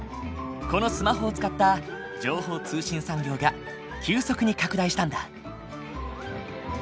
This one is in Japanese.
このスマホを使った情報通信産業が急速に拡大したんだ。